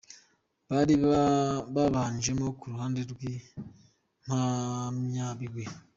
bari babanjemo ku ruhande rw'Impamyabigwi I.